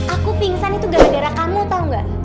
aku pingsan itu gara gara kamu tau gak